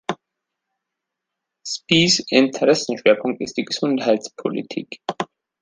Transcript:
Spies Interessenschwerpunkt ist die Gesundheitspolitik.